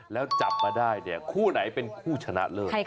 แล้วจับมาได้เนี่ยคู่ไหนเป็นคู่ชนะเลิศ